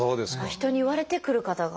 人に言われて来る方が？